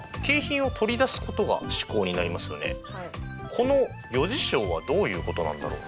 この余事象はどういうことなんだろうな？